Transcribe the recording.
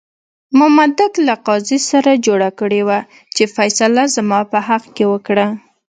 مامدک له قاضي سره جوړه کړې وه چې فیصله زما په حق کې وکړه.